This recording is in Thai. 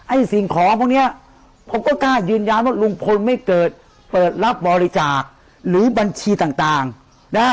สิ่งของพวกเนี้ยผมก็กล้ายืนยันว่าลุงพลไม่เกิดเปิดรับบริจาคหรือบัญชีต่างนะ